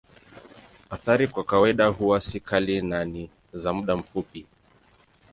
Athari kwa kawaida huwa si kali na ni za muda mfupi.